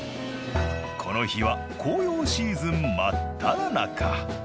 この日は紅葉シーズン真っただ中。